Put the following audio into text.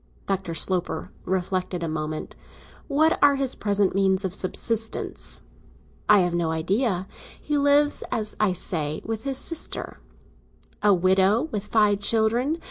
Dr. Sloper reflected a moment. "What are his present means of subsistence?" "I have no idea. He lives, as I say, with his sister." "A widow, with five children?